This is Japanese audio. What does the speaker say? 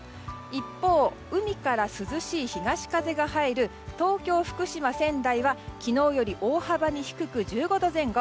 一方、海から涼しい東風が入る東京、福島、仙台は昨日より大幅に低く１５度前後。